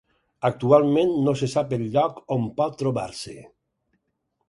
Actualment no se sap el lloc on pot trobar-se.